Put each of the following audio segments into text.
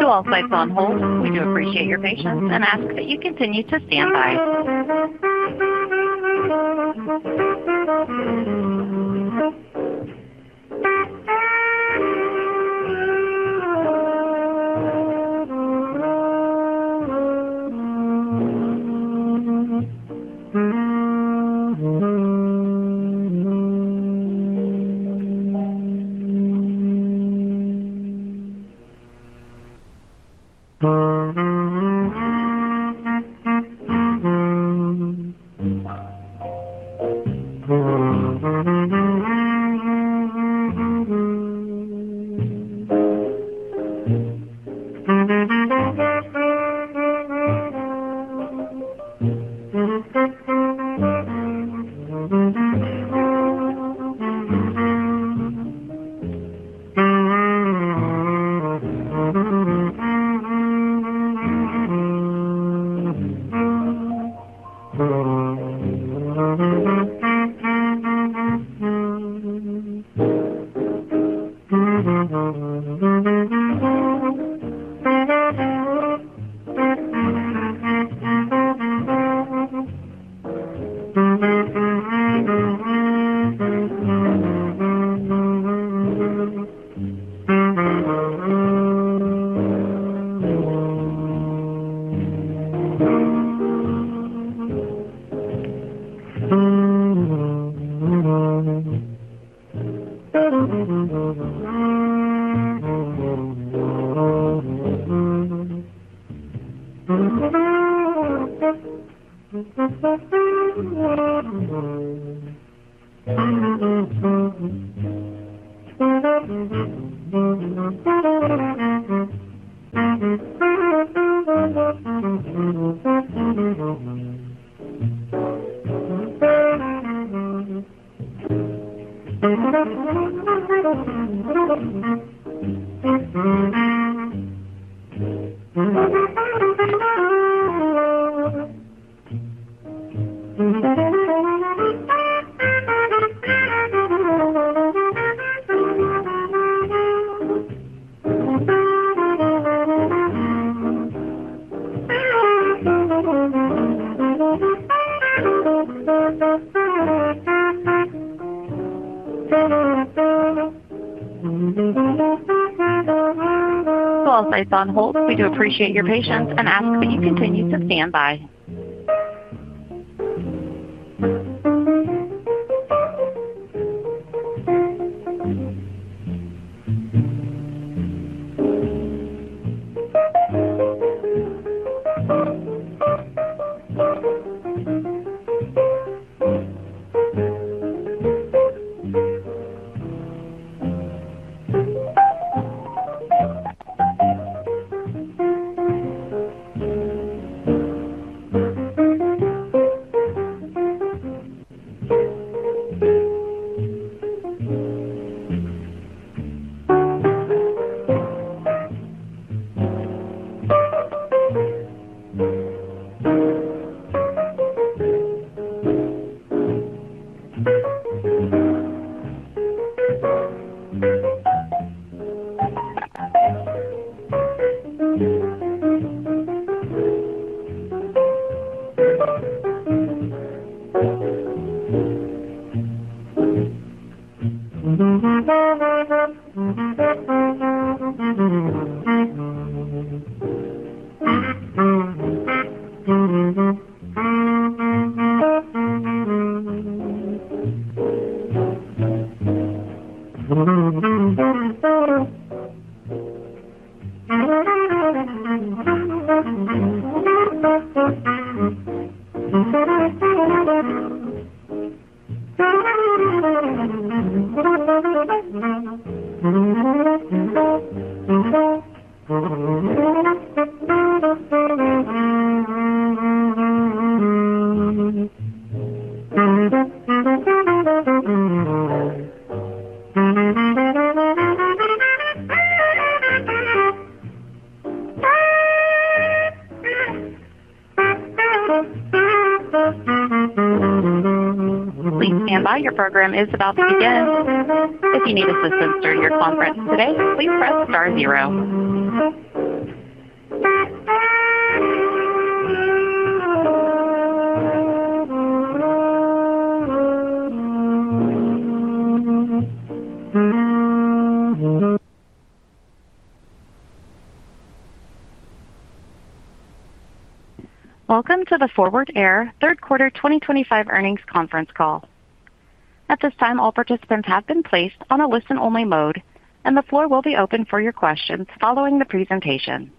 To all sites on hold, we do appreciate your patience and ask that you continue to stand by. Please stand by. Your program is about to begin. If you need assistance during your conference today, please press star zero. Welcome to the Forward Air Third Quarter 2025 Earnings Conference Call. At this time, all participants have been placed on a listen-only mode, and the floor will be open for your questions following the presentation.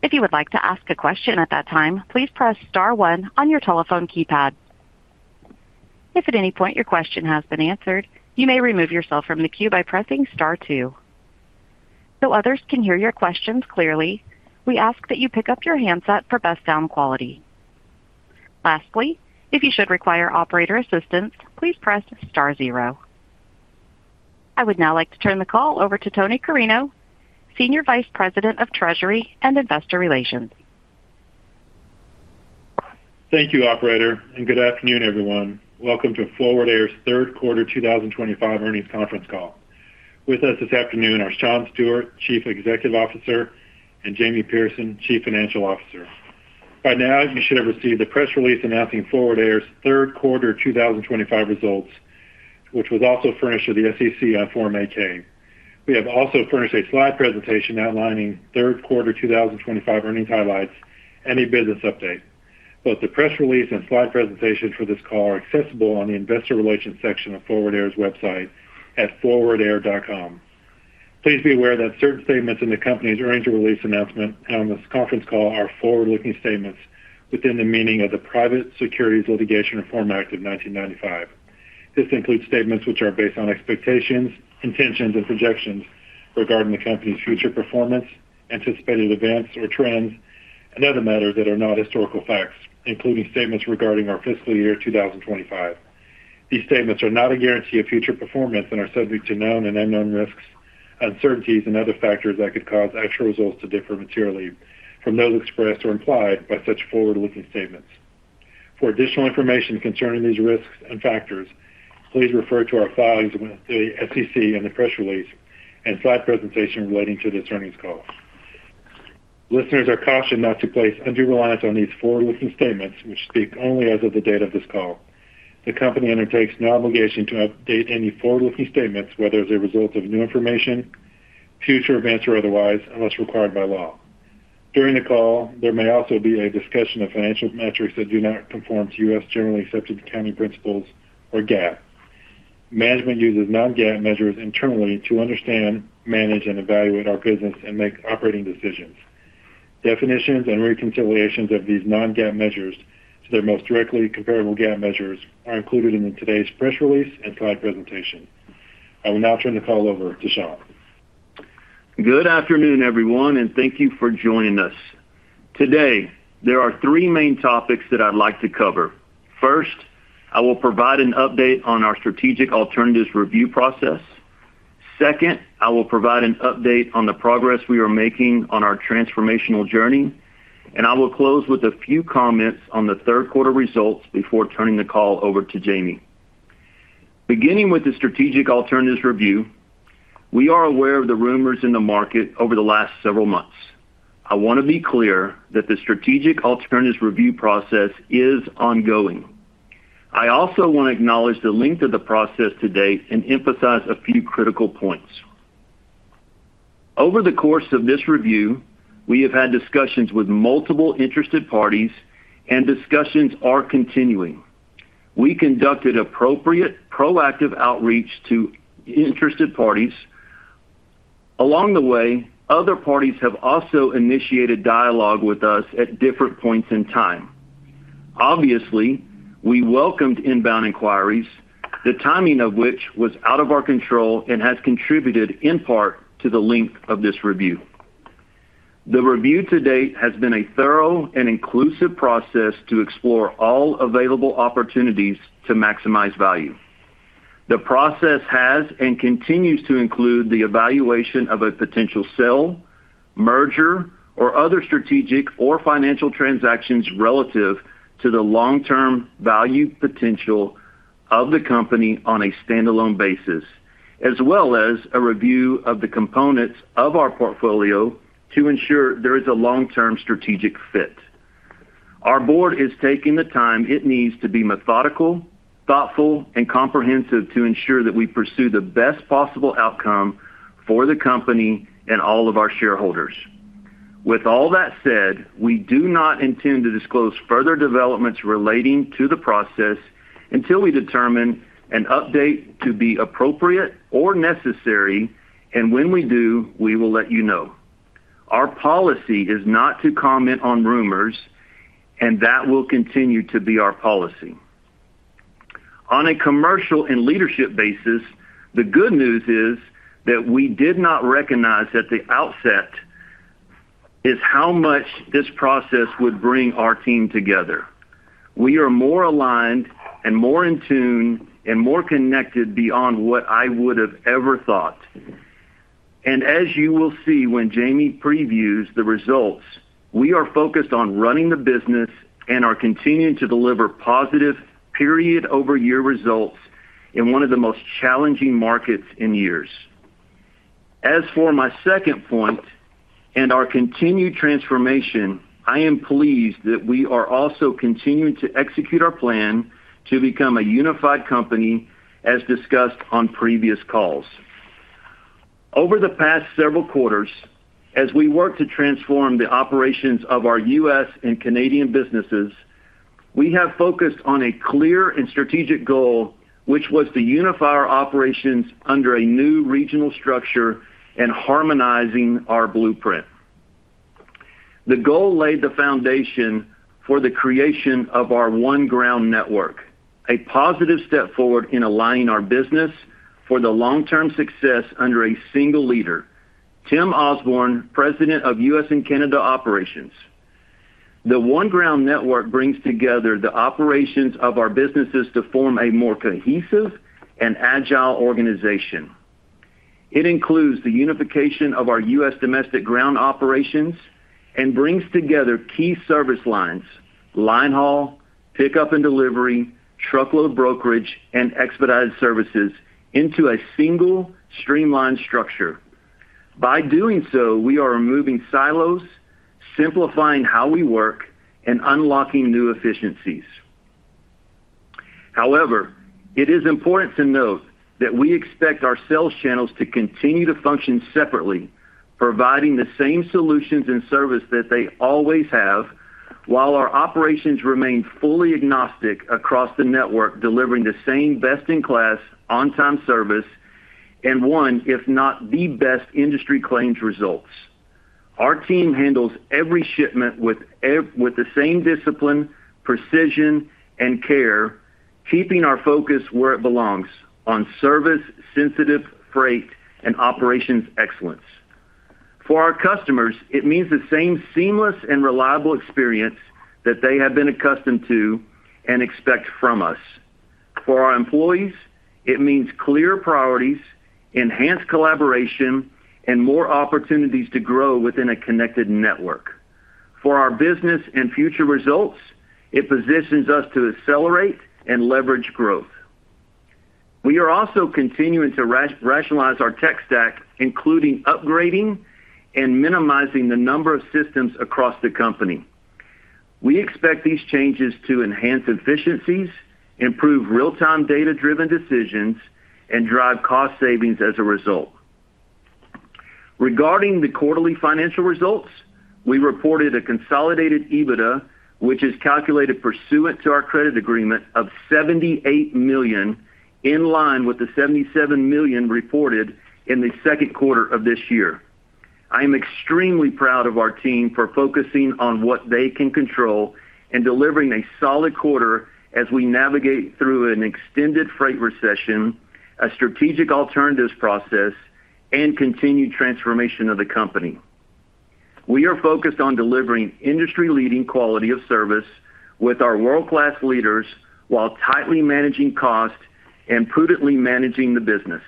If you would like to ask a question at that time, please press star one on your telephone keypad. If at any point your question has been answered, you may remove yourself from the queue by pressing star two. So others can hear your questions clearly, we ask that you pick up your handset for best sound quality. Lastly, if you should require operator assistance, please press star zero. I would now like to turn the call over to Tony Carreño, Senior Vice President of Treasury and Investor Relations. Thank you, Operator, and good afternoon, everyone. Welcome to Forward Air's Third Quarter 2025 Earnings Conference Call. With us this afternoon are Shawn Stewart, Chief Executive Officer, and Jamie Pierson, Chief Financial Officer. By now, you should have received the press release announcing Forward Air's third quarter 2025 results, which was also furnished to the SEC on May 4. We have also furnished a slide presentation outlining third quarter 2025 earnings highlights and a business update. Both the press release and slide presentation for this call are accessible on the Investor Relations section of Forward Air's website at forwardair.com. Please be aware that certain statements in the company's earnings release announcement on this conference call are forward-looking statements within the meaning of the Private Securities Litigation Reform Act of 1995. This includes statements which are based on expectations, intentions, and projections regarding the company's future performance, anticipated events or trends, and other matters that are not historical facts, including statements regarding our fiscal year 2025. These statements are not a guarantee of future performance and are subject to known and unknown risks, uncertainties, and other factors that could cause actual results to differ materially from those expressed or implied by such forward-looking statements. For additional information concerning these risks and factors, please refer to our filings with the SEC and the press release and slide presentation relating to this earnings call. Listeners are cautioned not to place undue reliance on these forward-looking statements, which speak only as of the date of this call. The company undertakes no obligation to update any forward-looking statements, whether as a result of new information, future events, or otherwise, unless required by law. During the call, there may also be a discussion of financial metrics that do not conform to U.S. generally accepted accounting principles or GAAP. Management uses non-GAAP measures internally to understand, manage, and evaluate our business and make operating decisions. Definitions and reconciliations of these non-GAAP measures to their most directly comparable GAAP measures are included in today's press release and slide presentation. I will now turn the call over to Shawn. Good afternoon, everyone, and thank you for joining us. Today, there are three main topics that I'd like to cover. First, I will provide an update on our strategic alternatives review process. Second, I will provide an update on the progress we are making on our transformational journey, and I will close with a few comments on the third quarter results before turning the call over to Jamie. Beginning with the strategic alternatives review, we are aware of the rumors in the market over the last several months. I want to be clear that the strategic alternatives review process is ongoing. I also want to acknowledge the length of the process to date and emphasize a few critical points. Over the course of this review, we have had discussions with multiple interested parties, and discussions are continuing. We conducted appropriate proactive outreach to interested parties. Along the way, other parties have also initiated dialogue with us at different points in time. Obviously, we welcomed inbound inquiries, the timing of which was out of our control and has contributed in part to the length of this review. The review to date has been a thorough and inclusive process to explore all available opportunities to maximize value. The process has and continues to include the evaluation of a potential sell, merger, or other strategic or financial transactions relative to the long-term value potential of the company on a standalone basis, as well as a review of the components of our portfolio to ensure there is a long-term strategic fit. Our board is taking the time it needs to be methodical, thoughtful, and comprehensive to ensure that we pursue the best possible outcome for the company and all of our shareholders. With all that said, we do not intend to disclose further developments relating to the process. Until we determine an update to be appropriate or necessary, and when we do, we will let you know. Our policy is not to comment on rumors, and that will continue to be our policy. On a commercial and leadership basis, the good news is that we did not recognize at the outset how much this process would bring our team together. We are more aligned and more in tune and more connected beyond what I would have ever thought. As you will see when Jamie previews the results, we are focused on running the business and are continuing to deliver positive period-over-year results in one of the most challenging markets in years. As for my second point, our continued transformation, I am pleased that we are also continuing to execute our plan to become a unified company, as discussed on previous calls. Over the past several quarters, as we work to transform the operations of our U.S. and Canadian businesses, we have focused on a clear and strategic goal, which was to unify our operations under a new regional structure and harmonizing our blueprint. The goal laid the foundation for the creation of our One Ground Network, a positive step forward in aligning our business for the long-term success under a single leader, Tim Osborne, President of U.S. and Canada Operations. The One Ground Network brings together the operations of our businesses to form a more cohesive and agile organization. It includes the unification of our U.S. Domestic ground operations and brings together key service lines: line haul, pickup and delivery, truckload brokerage, and expedited services into a single streamlined structure. By doing so, we are removing silos, simplifying how we work, and unlocking new efficiencies. However, it is important to note that we expect our sales channels to continue to function separately, providing the same solutions and service that they always have, while our operations remain fully agnostic across the network, delivering the same best-in-class on-time service and one, if not the best, industry claims results. Our team handles every shipment with the same discipline, precision, and care, keeping our focus where it belongs: on service-sensitive freight and operations excellence. For our customers, it means the same seamless and reliable experience that they have been accustomed to and expect from us. For our employees, it means clear priorities, enhanced collaboration, and more opportunities to grow within a connected network. For our business and future results, it positions us to accelerate and leverage growth. We are also continuing to rationalize our tech stack, including upgrading and minimizing the number of systems across the company. We expect these changes to enhance efficiencies, improve real-time data-driven decisions, and drive cost savings as a result. Regarding the quarterly financial results, we reported a consolidated EBITDA, which is calculated pursuant to our credit agreement, of $78 million, in line with the $77 million reported in the second quarter of this year. I am extremely proud of our team for focusing on what they can control and delivering a solid quarter as we navigate through an extended freight recession, a strategic alternatives process, and continued transformation of the company. We are focused on delivering industry-leading quality of service with our world-class leaders while tightly managing costs and prudently managing the business.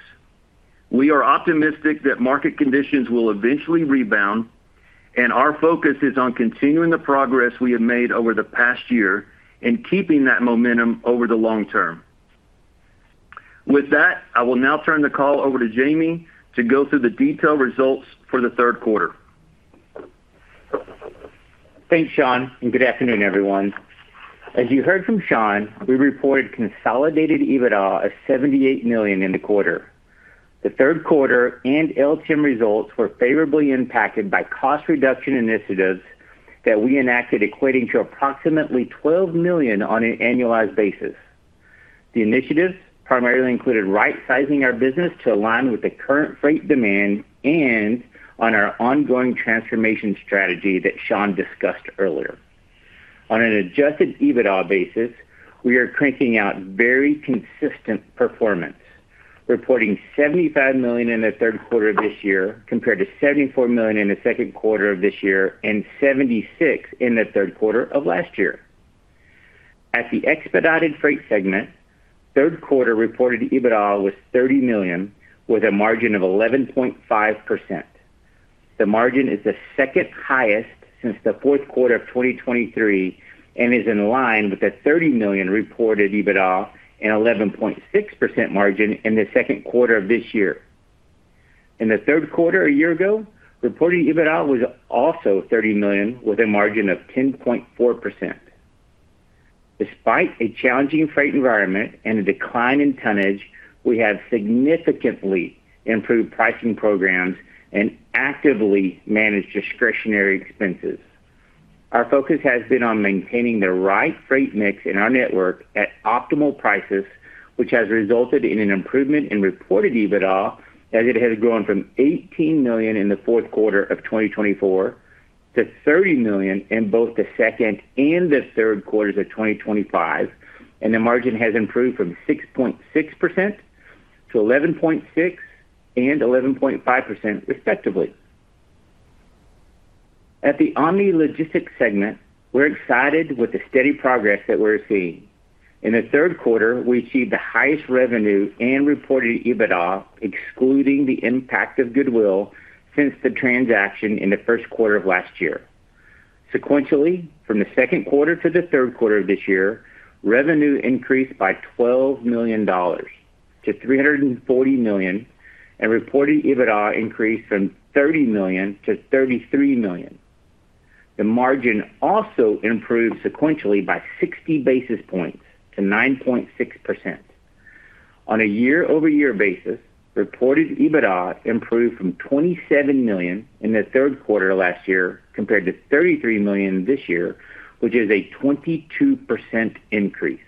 We are optimistic that market conditions will eventually rebound, and our focus is on continuing the progress we have made over the past year and keeping that momentum over the long term. With that, I will now turn the call over to Jamie to go through the detailed results for the third quarter. Thanks, Shawn, and good afternoon, everyone. As you heard from Shawn, we reported consolidated EBITDA of $78 million in the quarter. The third quarter and LTM results were favorably impacted by cost reduction initiatives that we enacted, equating to approximately $12 million on an annualized basis. The initiatives primarily included right-sizing our business to align with the current freight demand and on our ongoing transformation strategy that Shawn discussed earlier. On an adjusted EBITDA basis, we are cranking out very consistent performance, reporting $75 million in the third quarter of this year, compared to $74 million in the second quarter of this year and $76 million in the third quarter of last year. At the Expedited Freight segment, third quarter reported EBITDA was $30 million, with a margin of 11.5%. The margin is the second highest since the fourth quarter of 2023 and is in line with the $30 million reported EBITDA and 11.6% margin in the second quarter of this year. In the third quarter a year ago, reported EBITDA was also $30 million, with a margin of 10.4%. Despite a challenging freight environment and a decline in tonnage, we have significantly improved pricing programs and actively managed discretionary expenses. Our focus has been on maintaining the right freight mix in our network at optimal prices, which has resulted in an improvement in reported EBITDA, as it has grown from $18 million in the fourth quarter of 2024 to $30 million in both the second and the third quarters of 2025, and the margin has improved from 6.6%-11.6% and 11.5%, respectively. At the Omni Logistics segment, we're excited with the steady progress that we're seeing. In the third quarter, we achieved the highest revenue and reported EBITDA, excluding the impact of goodwill since the transaction in the first quarter of last year. Sequentially, from the second quarter to the third quarter of this year, revenue increased by $12 million-$340 million, and reported EBITDA increased from $30 million-$33 million. The margin also improved sequentially by 60 basis points to 9.6%. On a year-over-year basis, reported EBITDA improved from $27 million in the third quarter of last year compared to $33 million this year, which is a 22% increase.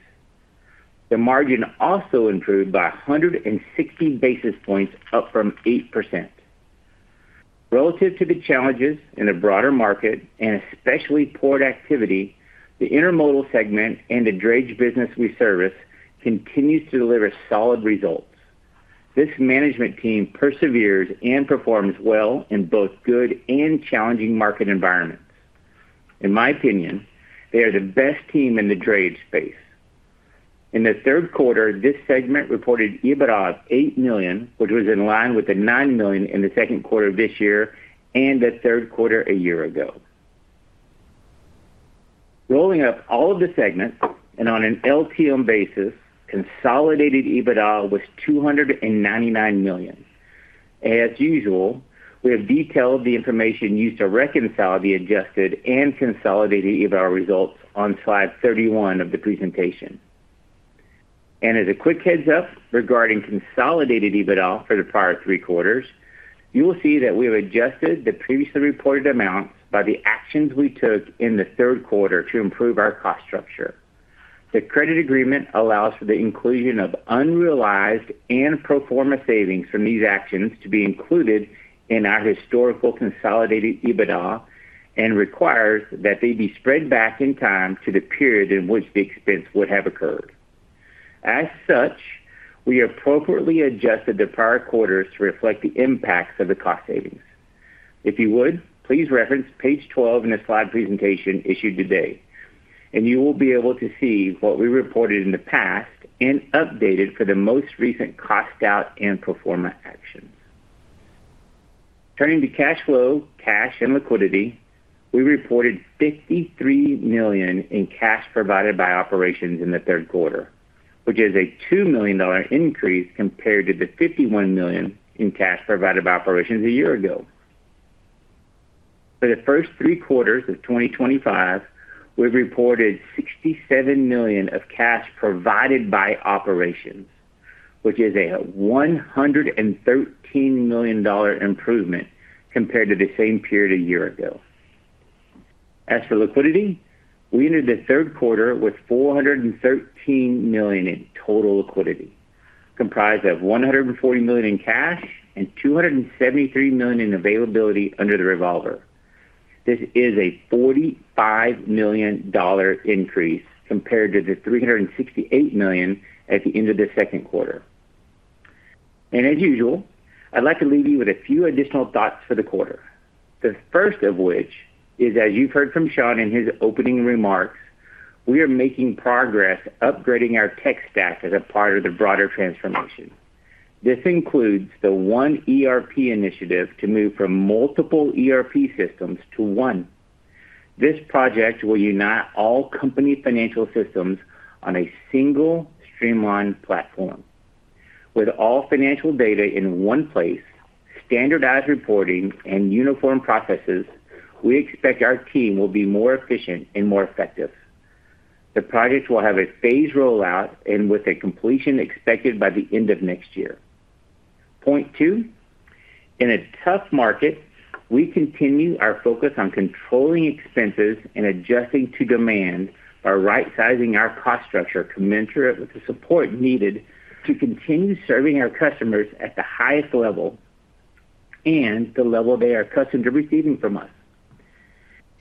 The margin also improved by 160 basis points, up from 8%. Relative to the challenges in the broader market and especially port activity, the Intermodal segment and the drayage business we service continues to deliver solid results. This management team perseveres and performs well in both good and challenging market environments. In my opinion, they are the best team in the drayage space. In the third quarter, this segment reported EBITDA of $8 million, which was in line with the $9 million in the second quarter of this year and the third quarter a year ago. Rolling up all of the segments and on an LTM basis, consolidated EBITDA was $299 million. As usual, we have detailed the information used to reconcile the adjusted and consolidated EBITDA results on slide 31 of the presentation. As a quick heads-up regarding consolidated EBITDA for the prior three quarters, you will see that we have adjusted the previously reported amounts by the actions we took in the third quarter to improve our cost structure. The credit agreement allows for the inclusion of unrealized and proforma savings from these actions to be included in our historical consolidated EBITDA and requires that they be spread back in time to the period in which the expense would have occurred. As such, we appropriately adjusted the prior quarters to reflect the impacts of the cost savings. If you would, please reference page 12 in the slide presentation issued today, and you will be able to see what we reported in the past and updated for the most recent cost out and proforma actions. Turning to cash flow, cash, and liquidity, we reported $53 million in cash provided by operations in the third quarter, which is a $2 million increase compared to the $51 million in cash provided by operations a year ago. For the first three quarters of 2025, we reported $67 million of cash provided by operations, which is a $113 million improvement compared to the same period a year ago. As for liquidity, we entered the third quarter with $413 million in total liquidity, comprised of $140 million in cash and $273 million in availability under the revolver. This is a $45 million increase compared to the $368 million at the end of the second quarter. As usual, I'd like to leave you with a few additional thoughts for the quarter, the first of which is, as you've heard from Shawn in his opening remarks, we are making progress upgrading our tech staff as a part of the broader transformation. This includes the one ERP initiative to move from multiple ERP systems to one. This project will unite all company financial systems on a single streamlined platform. With all financial data in one place, standardized reporting, and uniform processes, we expect our team will be more efficient and more effective. The project will have a phased rollout, with completion expected by the end of next year. Point two. In a tough market, we continue our focus on controlling expenses and adjusting to demand, by right-sizing our cost structure commensurate with the support needed to continue serving our customers at the highest level. The level they are accustomed to receiving from us.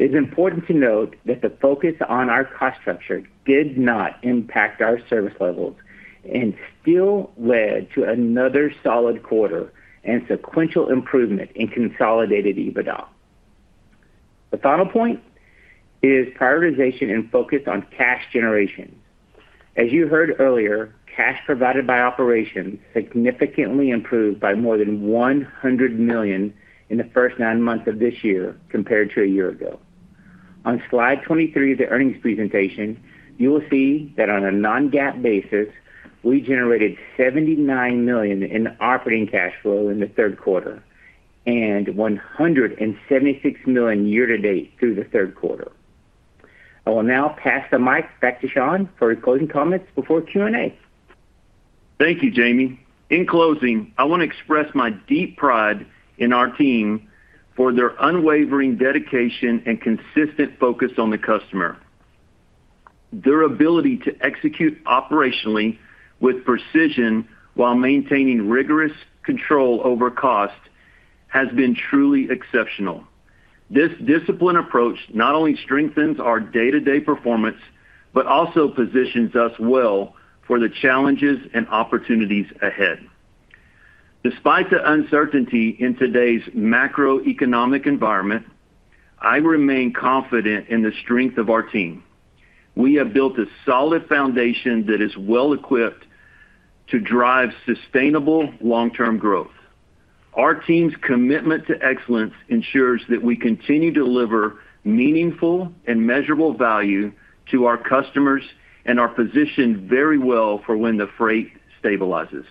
It's important to note that the focus on our cost structure did not impact our service levels and still led to another solid quarter and sequential improvement in consolidated EBITDA. The final point is prioritization and focus on cash generation. As you heard earlier, cash provided by operations significantly improved by more than $100 million in the first nine months of this year compared to a year ago. On slide 23 of the earnings presentation, you will see that on a non-GAAP basis, we generated $79 million in operating cash flow in the third quarter and $176 million year-to-date through the third quarter. I will now pass the mic back to Shawn for closing comments before Q&A. Thank you, Jamie. In closing, I want to express my deep pride in our team for their unwavering dedication and consistent focus on the customer. Their ability to execute operationally with precision while maintaining rigorous control over cost has been truly exceptional. This disciplined approach not only strengthens our day-to-day performance but also positions us well for the challenges and opportunities ahead. Despite the uncertainty in today's macroeconomic environment, I remain confident in the strength of our team. We have built a solid foundation that is well-equipped to drive sustainable long-term growth. Our team's commitment to excellence ensures that we continue to deliver meaningful and measurable value to our customers and are positioned very well for when the freight stabilizes.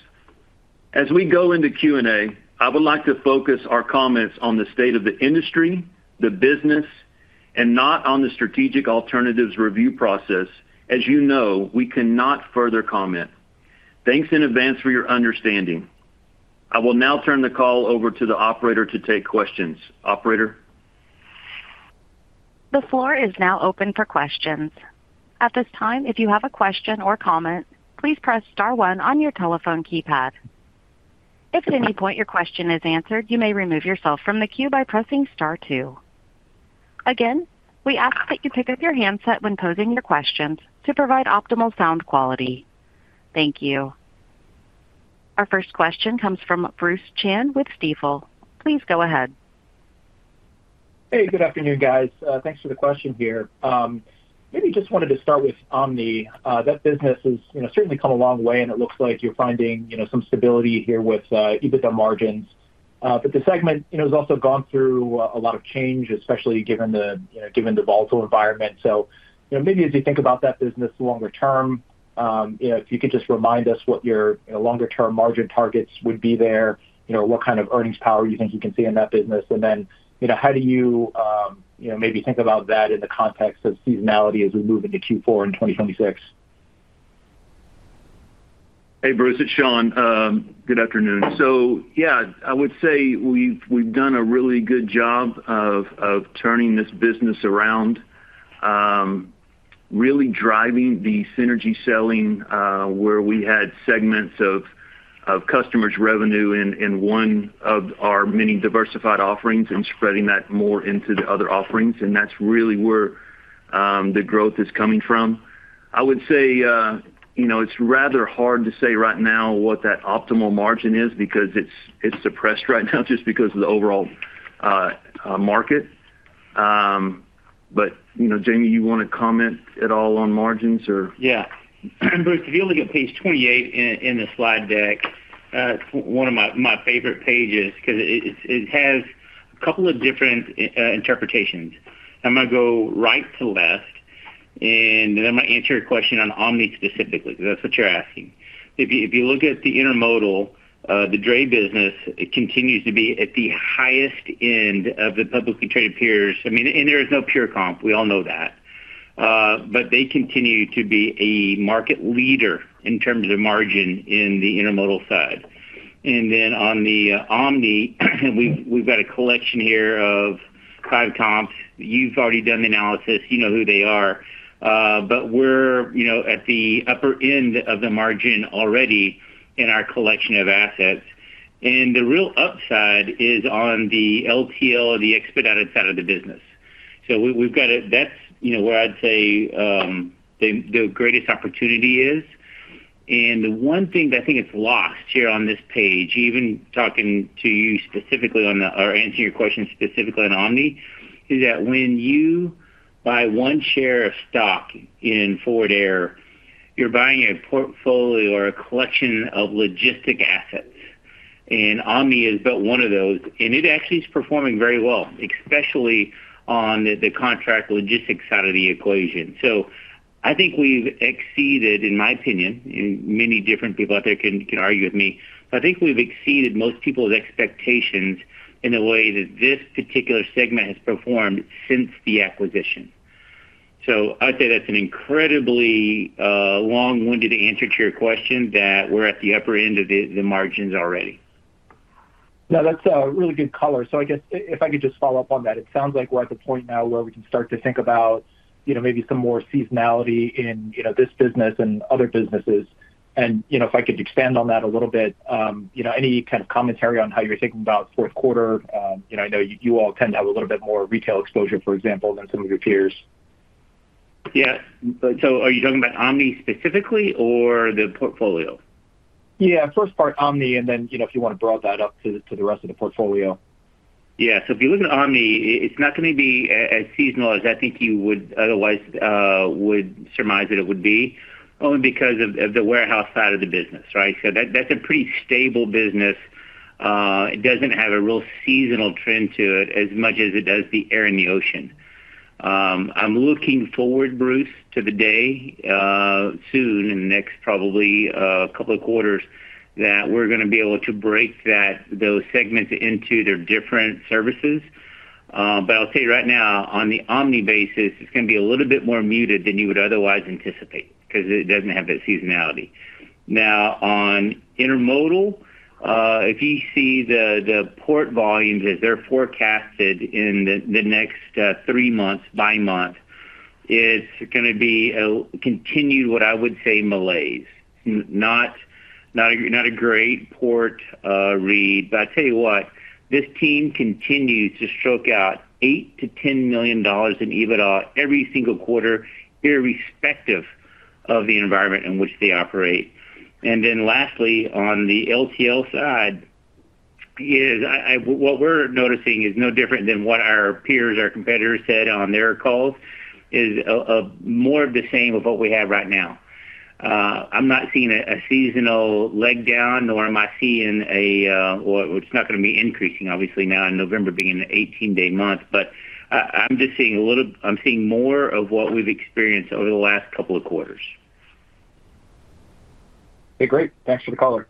As we go into Q&A, I would like to focus our comments on the state of the industry, the business, and not on the strategic alternatives review process. As you know, we cannot further comment. Thanks in advance for your understanding. I will now turn the call over to the operator to take questions. Operator. The floor is now open for questions. At this time, if you have a question or comment, please press star one on your telephone keypad. If at any point your question is answered, you may remove yourself from the queue by pressing star two. Again, we ask that you pick up your handset when posing your questions to provide optimal sound quality. Thank you. Our first question comes from Bruce Chan with Stifel. Please go ahead. Hey, good afternoon, guys. Thanks for the question here. Maybe just wanted to start with Omni. That business has certainly come a long way, and it looks like you're finding some stability here with EBITDA margins. The segment has also gone through a lot of change, especially given the volatile environment. Maybe as you think about that business longer term, if you could just remind us what your longer-term margin targets would be there, what kind of earnings power you think you can see in that business, and then how do you maybe think about that in the context of seasonality as we move into Q4 in 2026? Hey, Bruce. It's Shawn. Good afternoon. Yeah, I would say we've done a really good job of turning this business around. Really driving the synergy selling where we had segments of customers' revenue in one of our many diversified offerings and spreading that more into the other offerings. That's really where the growth is coming from. I would say it's rather hard to say right now what that optimal margin is because it's suppressed right now just because of the overall market. Jamie, you want to comment at all on margins, or? Yeah. Bruce, if you look at page 28 in the slide deck. It's one of my favorite pages because it has a couple of different interpretations. I'm going to go right to left, and then I'm going to answer your question on Omni specifically, because that's what you're asking. If you look at the intermodal, the drayage business, it continues to be at the highest end of the publicly traded peers. I mean, and there is no pure comp. We all know that. They continue to be a market leader in terms of margin in the intermodal side. On the Omni, we've got a collection here of five comps. You've already done the analysis. You know who they are. We're at the upper end of the margin already in our collection of assets. The real upside is on the LTL, the expedited side of the business. [We are good at that]. That is where I would say the greatest opportunity is. The one thing that I think is lost here on this page, even talking to you specifically or answering your question specifically on Omni, is that when you buy one share of stock in Forward Air, you are buying a portfolio or a collection of logistic assets. Omni is but one of those. It actually is performing very well, especially on the contract logistics side of the equation. I think we have exceeded, in my opinion, and many different people out there can argue with me, but I think we have exceeded most people's expectations in the way that this particular segment has performed since the acquisition. I would say that is an incredibly. Long-winded answer to your question that we're at the upper end of the margins already. Yeah, that's a really good color. I guess if I could just follow up on that, it sounds like we're at the point now where we can start to think about maybe some more seasonality in this business and other businesses. If I could expand on that a little bit, any kind of commentary on how you're thinking about fourth quarter? I know you all tend to have a little bit more retail exposure, for example, than some of your peers. Yeah. So are you talking about Omni specifically or the portfolio? Yeah, first part Omni, and then if you want to broaden that up to the rest of the portfolio. Yeah. If you look at Omni, it's not going to be as seasonal as I think you would otherwise surmise that it would be, only because of the warehouse side of the business, right? That's a pretty stable business. It doesn't have a real seasonal trend to it as much as it does the air and the ocean. I'm looking forward, Bruce, to the day, soon in the next probably a couple of quarters, that we're going to be able to break those segments into their different services. I'll tell you right now, on the Omni basis, it's going to be a little bit more muted than you would otherwise anticipate because it doesn't have that seasonality. Now, on intermodal, if you see the port volumes as they're forecasted in the next three months by month, it's going to be a continued, what I would say, malaise. Not a great port read. But I'll tell you what, this team continues to stroke out $8 million-$10 million in EBITDA every single quarter, irrespective of the environment in which they operate. Lastly, on the LTL side, what we're noticing is no different than what our peers, our competitors said on their calls, is more of the same of what we have right now. I'm not seeing a seasonal leg down, nor am I seeing a—well, it's not going to be increasing, obviously, now in November being an 18-day month, but I'm just seeing more of what we've experienced over the last couple of quarters. Okay, great. Thanks for the color.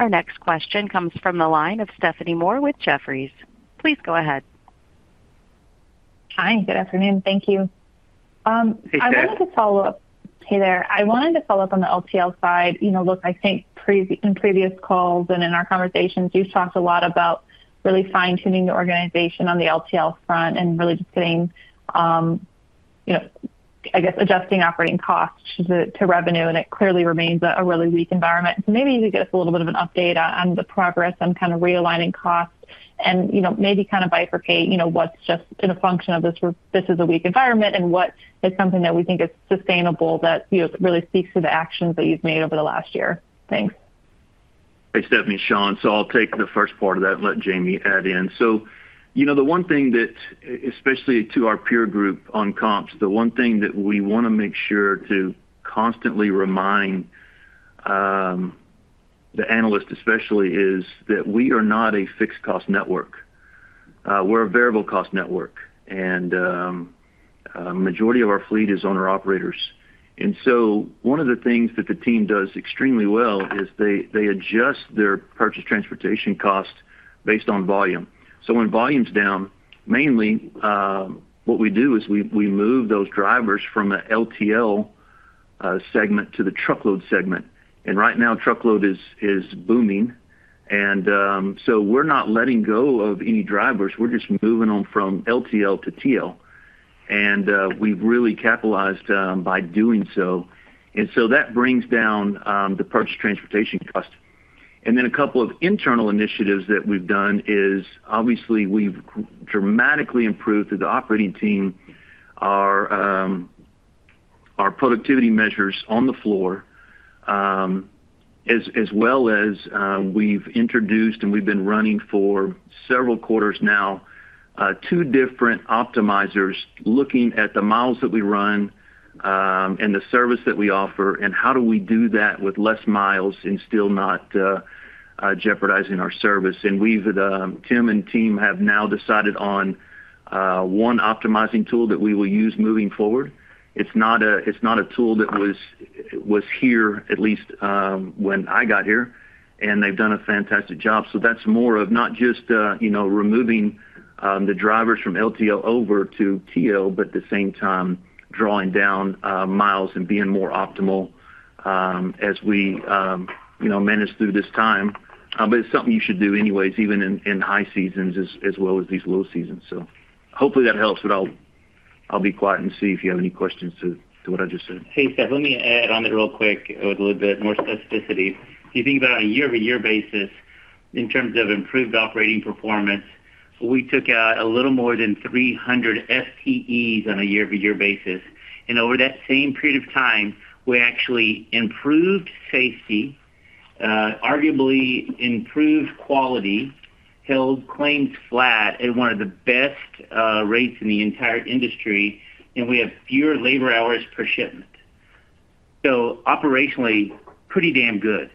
Our next question comes from the line of Stephanie Moore with Jefferies. Please go ahead. Hi, good afternoon. Thank you. Hey, Stephanie. I wanted to follow up. Hey there. I wanted to follow up on the LTL side. Look, I think in previous calls and in our conversations, you've talked a lot about really fine-tuning the organization on the LTL front and really just getting, I guess, adjusting operating costs to revenue. It clearly remains a really weak environment. Maybe you could give us a little bit of an update on the progress on kind of realigning costs and maybe kind of bifurcate what's just in a function of this is a weak environment and what is something that we think is sustainable that really speaks to the actions that you've made over the last year. Thanks. Hey, Stephanie, Shawn. I'll take the first part of that and let Jamie add in. The one thing that, especially to our peer group on comps, the one thing that we want to make sure to constantly remind the analysts especially, is that we are not a fixed-cost network. We're a variable-cost network. The majority of our fleet is owner-operators. One of the things that the team does extremely well is they adjust their purchase transportation cost based on volume. When volume's down, mainly what we do is we move those drivers from the LTL segment to the truckload segment. Right now, truckload is booming. We're not letting go of any drivers. We're just moving them from LTL to TL. We've really capitalized by doing so. That brings down the purchase transportation cost. A couple of internal initiatives that we've done is, obviously, we've dramatically improved through the operating team our productivity measures on the floor. As well as we've introduced and we've been running for several quarters now two different optimizers looking at the miles that we run and the service that we offer, and how do we do that with less miles and still not jeopardizing our service. Tim and team have now decided on one optimizing tool that we will use moving forward. It's not a tool that was here at least when I got here, and they've done a fantastic job. That's more of not just removing the drivers from LTL over to TL, but at the same time, drawing down miles and being more optimal as we manage through this time. It's something you should do anyways, even in high seasons, as well as these low seasons. Hopefully that helps, but I'll be quiet and see if you have any questions to what I just said. Hey, Steph, let me add on it real quick with a little bit more specificity. If you think about a year-over-year basis, in terms of improved operating performance, we took out a little more than 300 FTEs on a year-over-year basis. Over that same period of time, we actually improved safety, arguably improved quality, held claims flat at one of the best rates in the entire industry, and we have fewer labor hours per shipment. Operationally, pretty damn good.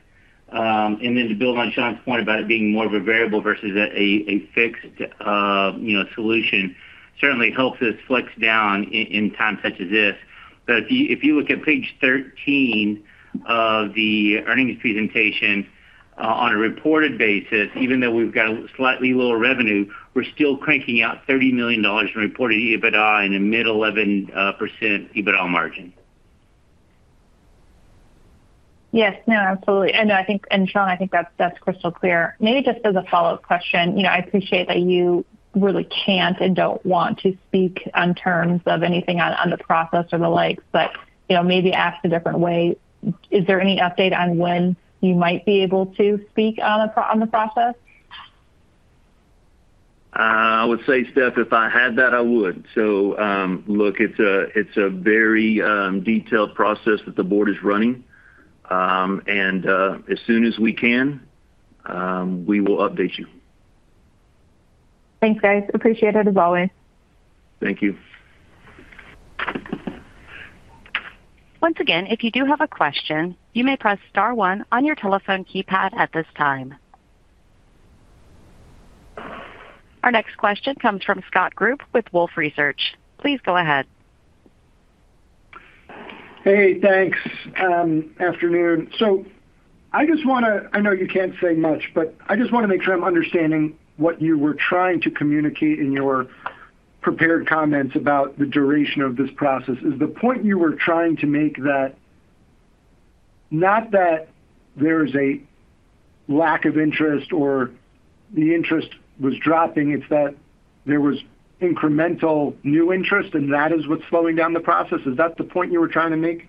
To build on Shawn's point about it being more of a variable versus a fixed solution, certainly helps us flex down in times such as this. If you look at page 13 of the earnings presentation, on a reported basis, even though we've got slightly lower revenue, we're still cranking out $30 million in reported EBITDA and a mid-11% EBITDA margin. Yes. No, absolutely. Shawn, I think that's crystal clear. Maybe just as a follow-up question, I appreciate that you really can't and don't want to speak on terms of anything on the process or the likes, but maybe ask a different way. Is there any update on when you might be able to speak on the process? I would say, Steph, if I had that, I would. Look, it's a very detailed process that the board is running. As soon as we can, we will update you. Thanks, guys. Appreciate it as always. Thank you. Once again, if you do have a question, you may press star one on your telephone keypad at this time. Our next question comes from Scott Group with Wolfe Research. Please go ahead. Hey, thanks. Afternoon. I just want to—I know you can't say much—but I just want to make sure I'm understanding what you were trying to communicate in your prepared comments about the duration of this process. Is the point you were trying to make that not that there is a lack of interest or the interest was dropping, it's that there was incremental new interest, and that is what's slowing down the process? Is that the point you were trying to make?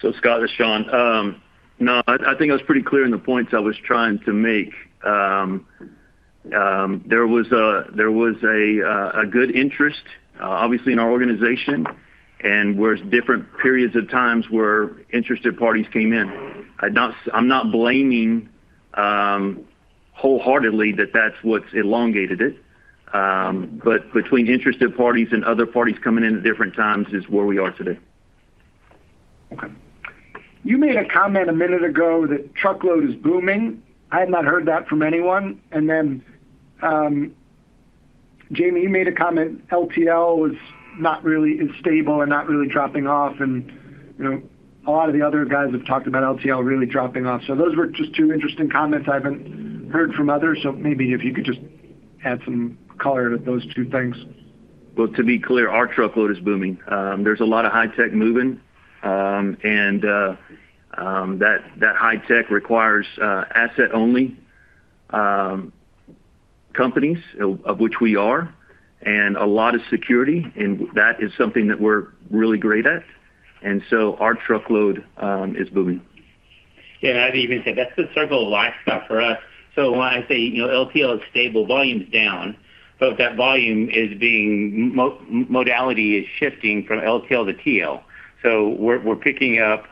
Scott or Shawn, no, I think I was pretty clear in the points I was trying to make. There was a good interest, obviously, in our organization, and whereas different periods of times where interested parties came in. I'm not blaming wholeheartedly that that's what's elongated it, but between interested parties and other parties coming in at different times is where we are today. Okay. You made a comment a minute ago that truckload is booming. I had not heard that from anyone. Jamie, you made a comment LTL is not really stable and not really dropping off. A lot of the other guys have talked about LTL really dropping off. Those were just two interesting comments I haven't heard from others. Maybe if you could just add some color to those two things. To be clear, our truckload is booming. There is a lot of high-tech moving. That high-tech requires asset-only companies, of which we are, and a lot of security. That is something that we are really great at. Our truckload is booming. Yeah. I'd even say that's the circle of life for us. When I say LTL is stable, volume's down, but that volume is—modality is shifting from LTL-TL. We're picking up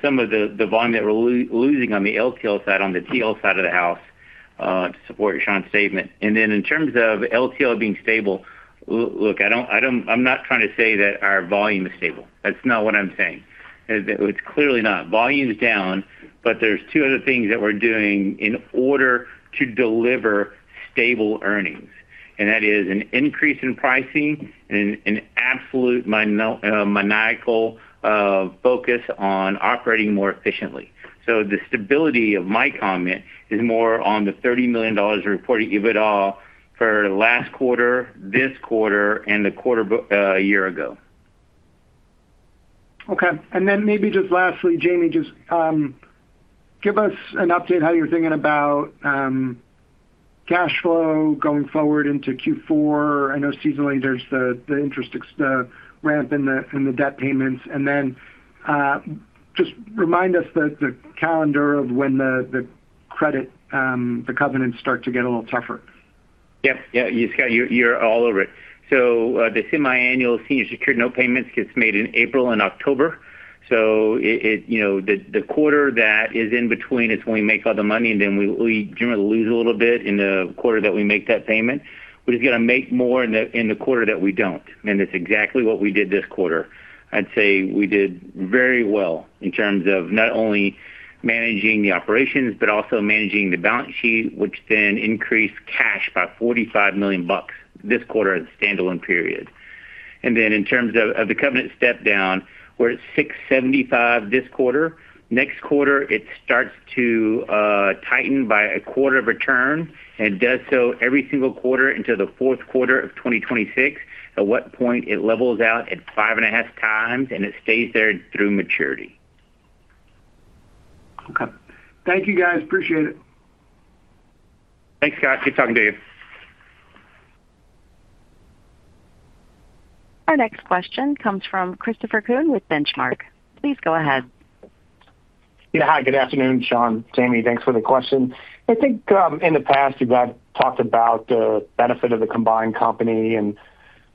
some of the volume that we're losing on the LTL side, on the TL side of the house to support Shawn's statement. In terms of LTL being stable, look, I'm not trying to say that our volume is stable. That's not what I'm saying. It's clearly not. Volume's down, but there are two other things that we're doing in order to deliver stable earnings. That is an increase in pricing and an absolute maniacal focus on operating more efficiently. The stability of my comment is more on the $30 million reported EBITDA for last quarter, this quarter, and the quarter a year ago. Okay. And then maybe just lastly, Jamie, just give us an update on how you're thinking about cash flow going forward into Q4. I know seasonally, there's the interest ramp in the debt payments. And then just remind us the calendar of when the credit, the covenants start to get a little tougher. Yeah. Yeah. Scott, you're all over it. The semiannual senior secured note payments get made in April and October. The quarter that is in between is when we make all the money, and then we generally lose a little bit in the quarter that we make that payment. We just got to make more in the quarter that we don't. That's exactly what we did this quarter. I'd say we did very well in terms of not only managing the operations, but also managing the balance sheet, which then increased cash by $45 million this quarter in the standalone period. In terms of the covenant step down, we're at 675 this quarter. Next quarter, it starts to. Tighten by a quarter of return, and it does so every single quarter until the fourth quarter of 2026, at which point it levels out at five and a half times, and it stays there through maturity. Okay. Thank you, guys. Appreciate it. Thanks, Scott. Good talking to you. Our next question comes from Christopher Kuhn with Benchmark. Please go ahead. Yeah. Hi, good afternoon, Shawn. Jamie, thanks for the question. I think in the past, you guys talked about the benefit of the combined company and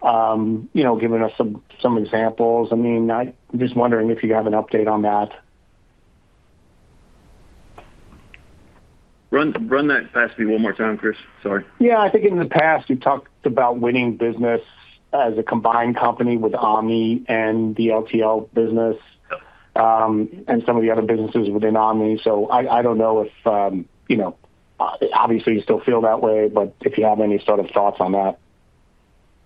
giving us some examples. I mean, I'm just wondering if you have an update on that. Run that past me one more time, Chris. Sorry. Yeah. I think in the past, we talked about winning business as a combined company with Omni and the LTL business. And some of the other businesses within Omni. I do not know if, obviously, you still feel that way, but if you have any sort of thoughts on that.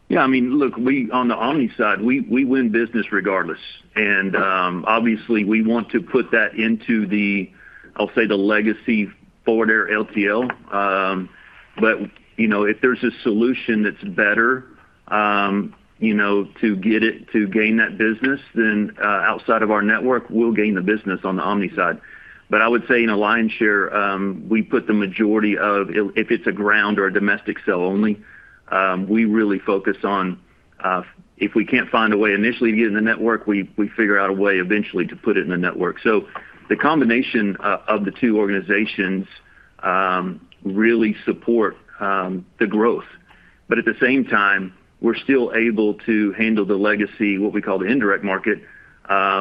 Yeah. I mean, look, on the Omni side, we win business regardless. Obviously, we want to put that into the, I'll say, the legacy Forward Air LTL. If there's a solution that's better to gain that business than outside of our network, we'll gain the business on the Omni side. I would say in a lion's share, we put the majority of, if it's a ground or a domestic sale only, we really focus on. If we can't find a way initially to get in the network, we figure out a way eventually to put it in the network. The combination of the two organizations really supports the growth. At the same time, we're still able to handle the legacy, what we call the indirect market,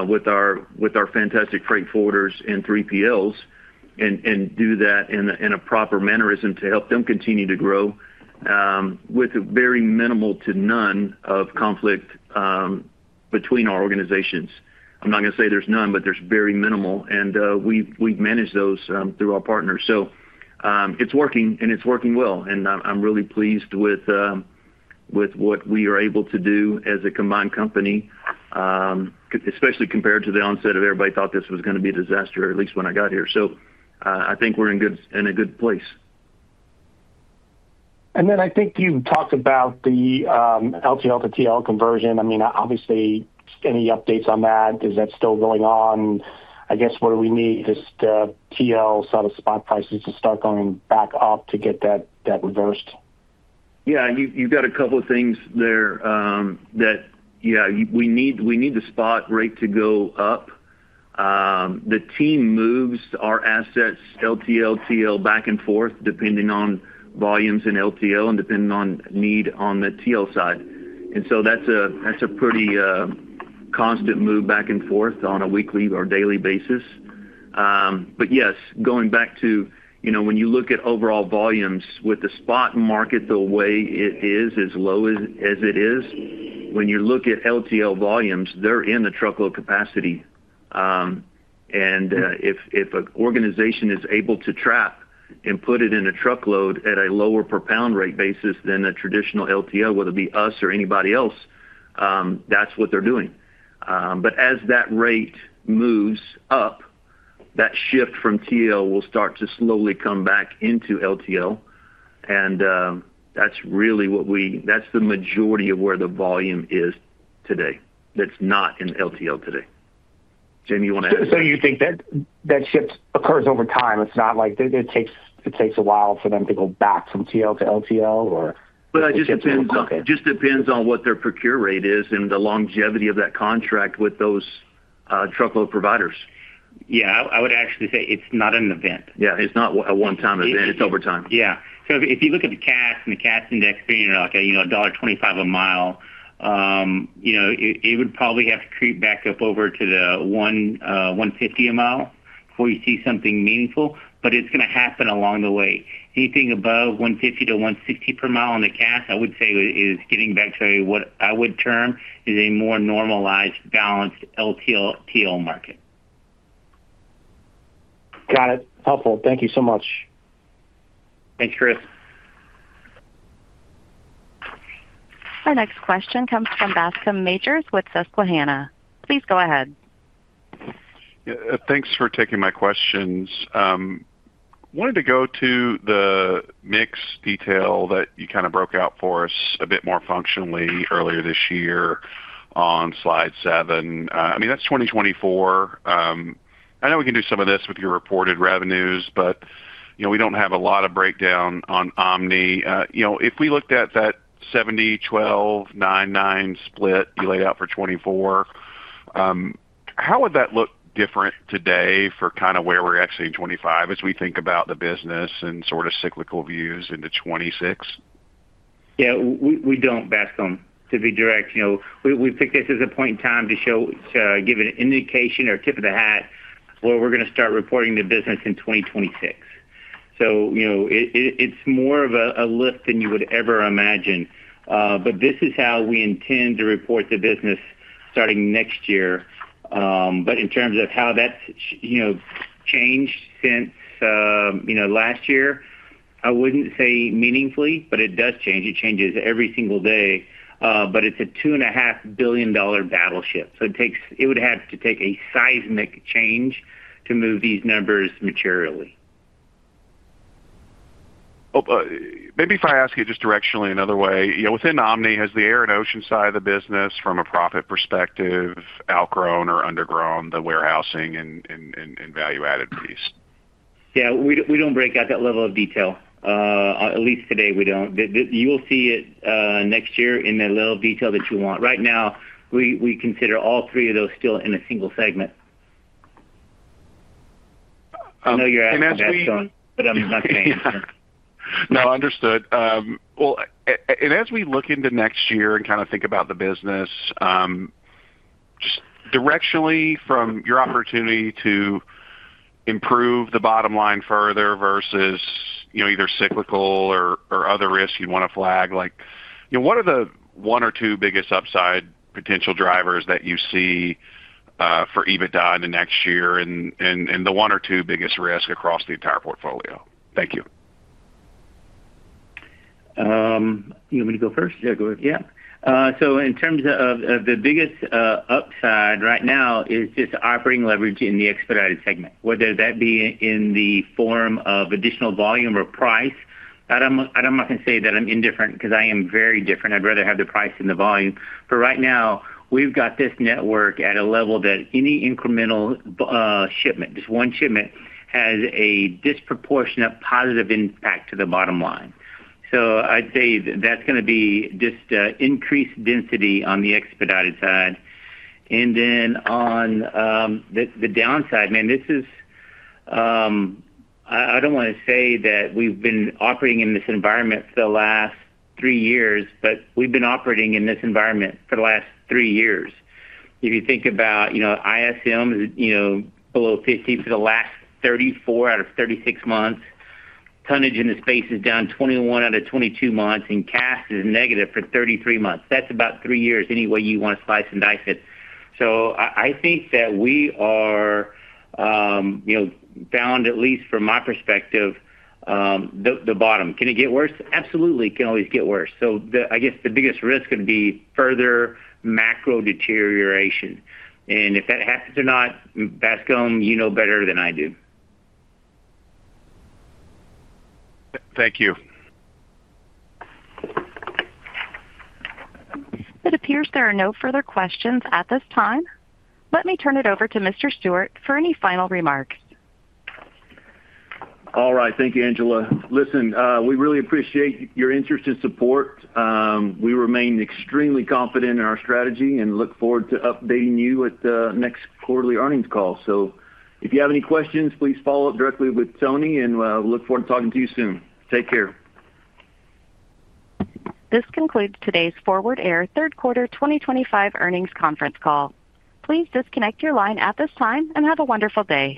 with our fantastic freight forwarders and 3PLs and do that in a proper mannerism to help them continue to grow, with very minimal to none of conflict between our organizations. I'm not going to say there's none, but there's very minimal, and we've managed those through our partners. It is working, and it's working well. I'm really pleased with what we are able to do as a combined company, especially compared to the onset of everybody thought this was going to be a disaster, at least when I got here. I think we're in a good place. I think you talked about the LTL to TL conversion. I mean, obviously, any updates on that? Is that still going on? I guess what do we need? Just TL, some of the spot prices to start going back up to get that reversed? Yeah. You've got a couple of things there that, yeah, we need the spot rate to go up. The team moves our assets, LTL, TL, back and forth, depending on volumes in LTL and depending on need on the TL side. That's a pretty constant move back and forth on a weekly or daily basis. Yes, going back to when you look at overall volumes with the spot market, the way it is, as low as it is, when you look at LTL volumes, they're in the truckload capacity. If an organization is able to trap and put it in a truckload at a lower per pound rate basis than a traditional LTL, whether it be us or anybody else, that's what they're doing. As that rate moves up, that shift from TL will start to slowly come back into LTL. That is really what we—that is the majority of where the volume is today that is not in LTL today. Jamie, you want to add to that? You think that shift occurs over time. It's not like it takes a while for them to go back from TL to LTL, or? It just depends on what their procure rate is and the longevity of that contract with those truckload providers. Yeah. I would actually say it's not an event. Yeah. It's not a one-time event. It's over time. Yeah. So if you look at the Cass and the Cass Index being like a $1.25 a mile. It would probably have to creep back up over to the $1.50 a mile before you see something meaningful. It is going to happen along the way. Anything above $1.50-$1.60 per mile on the CAS, I would say, is getting back to what I would term is a more normalized, balanced LTL market. Got it. Helpful. Thank you so much. Thanks, Chris. Our next question comes from Bascome Majors with Susquehanna. Please go ahead. Thanks for taking my questions. Wanted to go to the mix detail that you kind of broke out for us a bit more functionally earlier this year on slide seven. I mean, that's 2024. I know we can do some of this with your reported revenues, but we don't have a lot of breakdown on Omni. If we looked at that 70-12-99 split you laid out for 2024, how would that look different today for kind of where we're actually in 2025 as we think about the business and sort of cyclical views into 2026? Yeah. We don't, Bascome. To be direct. We took this as a point in time to give an indication or a tip of the hat where we're going to start reporting the business in 2026. So it's more of a lift than you would ever imagine. But this is how we intend to report the business starting next year. In terms of how that's changed since last year, I wouldn't say meaningfully, but it does change. It changes every single day. But it's a $2.5 billion battleship. It would have to take a seismic change to move these numbers materially. Maybe if I ask you just directionally another way, within Omni, has the air and ocean side of the business, from a profit perspective, outgrown or undergrown the warehousing and value-added piece? Yeah. We do not break out that level of detail. At least today, we do not. You will see it next year in the level of detail that you want. Right now, we consider all three of those still in a single segment. I know you are asking that, but I am not saying that. No, understood. As we look into next year and kind of think about the business, just directionally from your opportunity to improve the bottom line further versus either cyclical or other risks you'd want to flag, what are the one or two biggest upside potential drivers that you see for EBITDA in the next year and the one or two biggest risks across the entire portfolio? Thank you. You want me to go first? Yeah, go ahead. Yeah. In terms of the biggest upside right now is just operating leverage in the expedited segment, whether that be in the form of additional volume or price. I do not know. I am not going to say that I am indifferent because I am very different. I would rather have the price than the volume. Right now, we have got this network at a level that any incremental shipment, just one shipment, has a disproportionate positive impact to the bottom line. I would say that is going to be just increased density on the expedited side. On the downside, man, this is. I do not want to say that we have been operating in this environment for the last three years, but we have been operating in this environment for the last three years. If you think about ISM, it's below 50 for the last 34 out of 36 months. Tonnage in the space is down 21 out of 22 months, and Cass is negative for 33 months. That's about three years any way you want to slice and dice it. I think that we are, found, at least from my perspective, the bottom. Can it get worse? Absolutely. It can always get worse. I guess the biggest risk would be further macro deterioration. If that happens or not, Bascome, you know better than I do. Thank you. It appears there are no further questions at this time. Let me turn it over to Mr. Stewart for any final remarks. All right. Thank you, Angela. Listen, we really appreciate your interest and support. We remain extremely confident in our strategy and look forward to updating you at the next quarterly earnings call. If you have any questions, please follow up directly with Tony, and we'll look forward to talking to you soon. Take care. This concludes today's Forward Air Third Quarter 2025 Earnings Conference Call. Please disconnect your line at this time and have a wonderful day.